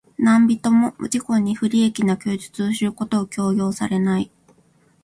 何人（なんびと）も自己に不利益な供述をすることを強要されない。